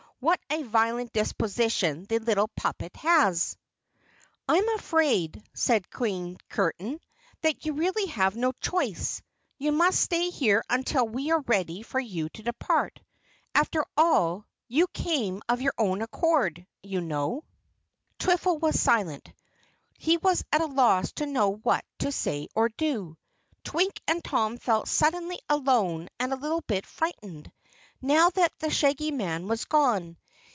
"What a violent disposition the little puppet has." "I am afraid," said Queen Curtain, "that you really have no choice. You must stay here until we are ready for you to depart. After all, you came of your own accord, you know." Twiffle was silent. He was at a loss to know what to say or do. Twink and Tom felt suddenly alone and a little bit frightened, now that the Shaggy Man was gone.